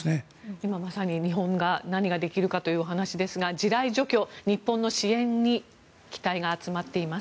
今まさに日本が何ができるかというお話ですが地雷除去、日本の支援に期待が集まっています。